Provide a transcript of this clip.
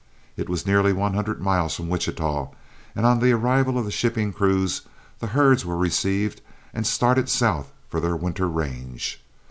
It was nearly one hundred miles from Wichita, and on the arrival of the shipping crews the herds were received and started south for their winter range.